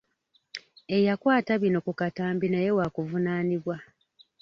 Eyakwata bino ku katambi naye waakuvunaanibwa.